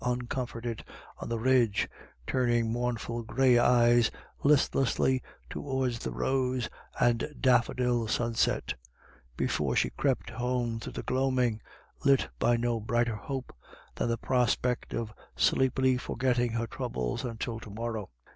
uncomforted on the ridge, turning mournful grey eyes listlessly towards the rose and daffodil sunset, before she crept home through the gloaming, lit by no brighter hope than the prospect of sleepily for getting her troubles until to morrow.